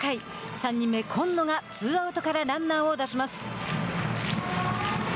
３人目今野がツーアウトからランナーを出します。